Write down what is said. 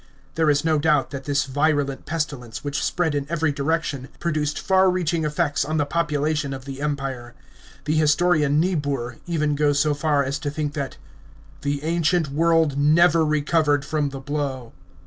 There is no doubt that this virulent pestilence, which spread in every direction, produced far reaching effects on the population of the Empire. The historian Niebuhr even goes so far as to think that " the ancient world never recovered from the blow."